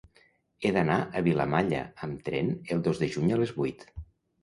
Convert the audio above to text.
He d'anar a Vilamalla amb tren el dos de juny a les vuit.